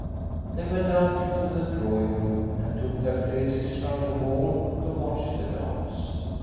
They went out into the drawing room, and took their places round the wall to watch the dance.